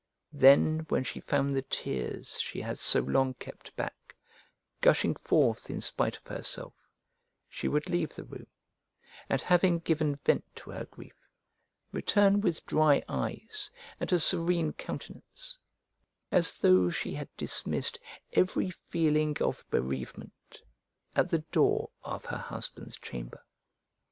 Then when she found the tears, she had so long kept back, gushing forth in spite of herself, she would leave the room, and having given vent to her grief, return with dry eyes and a serene countenance, as though she had dismissed every feeling of bereavement at the door of her husband's chamber.